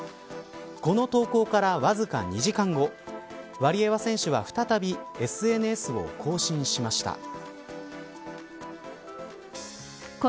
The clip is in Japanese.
この投稿からわずか２時間後ワリエワ選手は再びＳＮＳを更新しました。